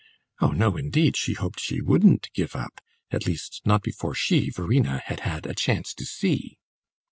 Oh no, indeed, she hoped she wouldn't give up at least not before she, Verena, had had a chance to see.